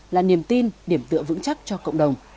là niềm tin điểm tựa vững chắc cho cộng đồng